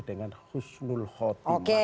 dengan husnul khotimah oke